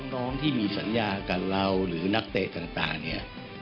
น้องที่มีสัญญากับเราหรือนักเตะต่างเนี่ย